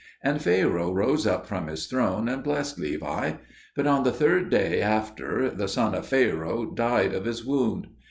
And Pharaoh rose up from his throne and blessed Levi. But on the third day after, the son of Pharaoh died of his wound.